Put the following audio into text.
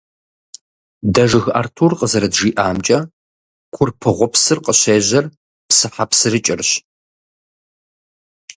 Дэжыг Артур къызэрыджиӀамкӀэ, Курпыгъупсыр къыщежьэр «ПсыхьэпсырыкӀырщ».